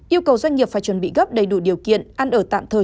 yêu cầu doanh nghiệp phải chuẩn bị gấp đầy đủ điều kiện ăn ở tạm thời